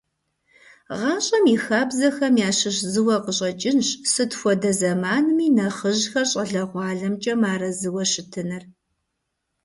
ГъащӀэм и хабзэхэм ящыщ зыуэ къыщӀэкӀынщ, сыт хуэдэ зэманми нэхъыжьхэр щӀалэгъуалэмкӀэ мыарэзыуэ щытыныр.